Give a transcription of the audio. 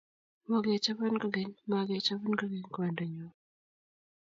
Mokechobon kokeny mokechobin kokeny kwongdo nyu.